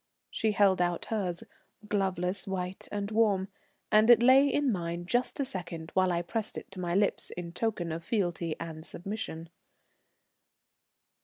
She held out hers, gloveless, white and warm, and it lay in mine just a second while I pressed it to my lips in token of fealty and submission.